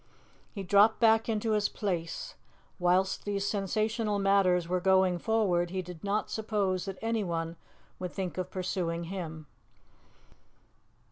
He dropped back into his place; whilst these sensational matters were going forward he did not suppose that anyone would think of pursuing him.